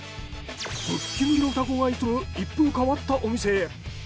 ムッキムキの双子が営む一風変わったお店へ。